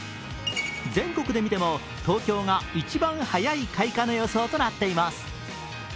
全国で見ても、東京が一番早い開花の予想となっています。